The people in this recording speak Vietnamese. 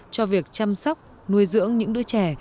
cho việc chăm sóc nuôi dưỡng những đứa trẻ